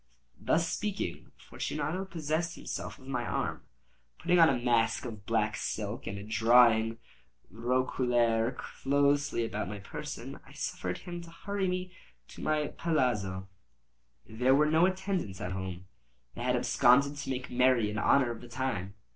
Thus speaking, Fortunato possessed himself of my arm. Putting on a mask of black silk, and drawing a roquelaire closely about my person, I suffered him to hurry me to my palazzo. There were no attendants at home; they had absconded to make merry in honor of the time.